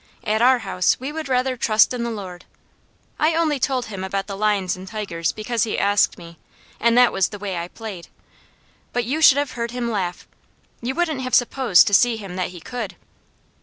At our house we would rather trust in the Lord. I only told him about the lions and tigers because he asked me, and that was the way I played. But you should have heard him laugh. You wouldn't have supposed to see him that he could.